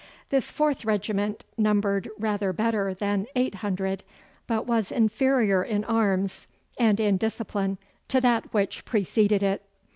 This fourth regiment numbered rather better than eight hundred, but was inferior in arms and in discipline to that which preceded it.